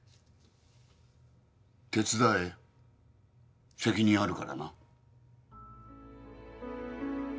手伝え責任あるからな。